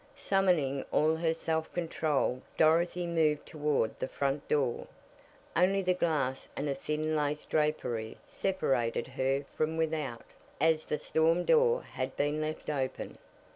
Summoning all her self control Dorothy moved toward the front door. Only the glass and a thin lace drapery separated her from without, as the storm door had been left open.